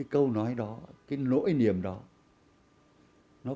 cái nỗi niềm đó